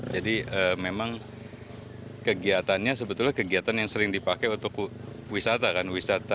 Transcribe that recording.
jadi memang kegiatannya sebetulnya kegiatan yang sering dipakai untuk wisata kan